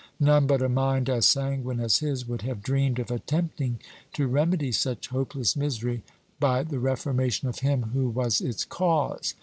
None but a mind as sanguine as his would have dreamed of attempting to remedy such hopeless misery by the reformation of him who was its cause.